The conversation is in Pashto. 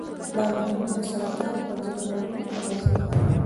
دا محلول د سرطان پر ځینو ډولونو اغېزناک و.